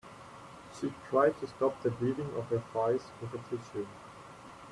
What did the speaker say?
She tried to stop the bleeding of her thighs with a tissue.